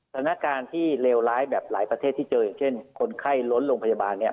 สถานการณ์ที่เลวร้ายแบบหลายประเทศที่เจออย่างเช่นคนไข้ล้นโรงพยาบาลเนี่ย